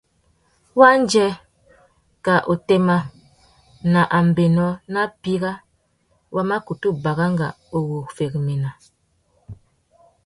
Wandjê, kā otémá, nà ambénô nà píra wa mà kutu baranga u wu féréména.